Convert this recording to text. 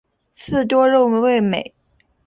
刺多肉味美。